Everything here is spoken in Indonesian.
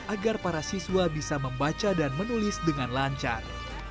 agar para siswa bisa membaca dan menulis dengan lancar